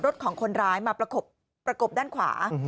ของคนร้ายมาประกบด้านขวา